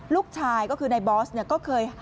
ลูกชายก็คือในบอสเนี่ยก็เคย